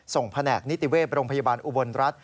แผนกนิติเวศโรงพยาบาลอุบลรัฐ